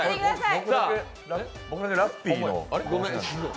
僕だけラッピーの。